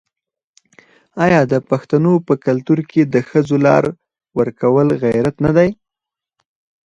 آیا د پښتنو په کلتور کې د ښځو لار ورکول غیرت نه دی؟